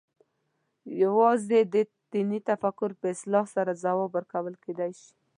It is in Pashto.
یوازې د دیني تفکر په اصلاح سره ځواب ورکول کېدای شي.